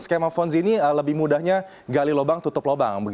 skema fonzi ini lebih mudahnya gali lubang tutup lubang